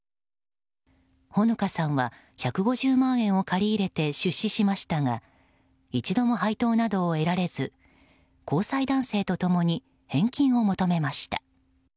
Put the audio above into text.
穂野香さんは１５０万円を借り入れて出資しましたが一度も配当などを得られず交際男性と共に返金を求めました。